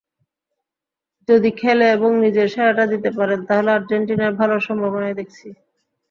যদি খেলে এবং নিজের সেরাটা দিতে পারেন তাহলে আর্জেন্টিনার ভালো সম্ভাবনাই দেখছি।